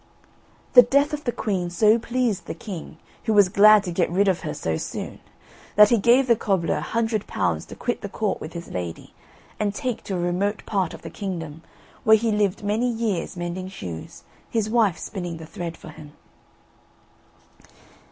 The death of the queen so pleased the king, who was glad to get rid of her so soon, that he gave the cobbler a hundred pounds to quit the Court with his lady, and take to a remote part of the kingdom, where he lived many years mending shoes, his wife spinning the thread for him.